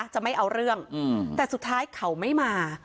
จะไม่เอาเรื่องแต่สุดท้ายเขาไม่มา